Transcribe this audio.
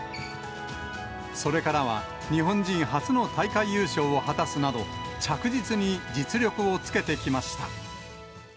それからは日本人初の大会優勝を果たすなど、着実に実力をつけてきました。